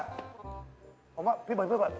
ผมว่าพี่เปิดเพื่อก่อน